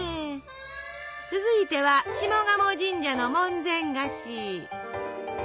続いては下鴨神社の門前菓子。